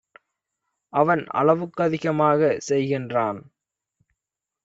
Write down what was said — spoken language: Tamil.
அவன் அளவுக்கதிகமாக செய்கின்றான்.